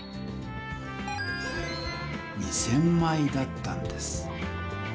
２０００枚だったんです。